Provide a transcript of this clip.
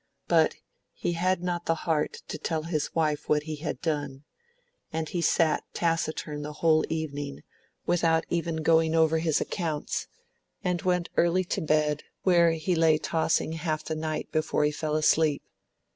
But he had not the heart to tell his wife what he had done, and he sat taciturn that whole evening, without even going over his accounts, and went early to bed, where he lay tossing half the night before he fell asleep.